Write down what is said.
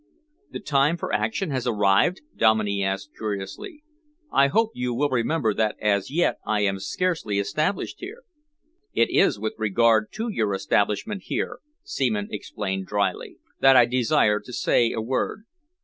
"The time for action has arrived?" Dominey asked curiously. "I hope you will remember that as yet I am scarcely established here." "It is with regard to your establishment here," Seaman explained drily, "that I desire to say a word.